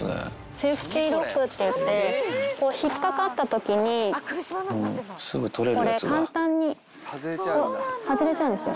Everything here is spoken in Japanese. セーフティロックっていって、引っ掛かったときにこれ、簡単に外れちゃうんですよ。